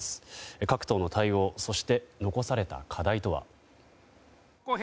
各党の対応、残された課題とは。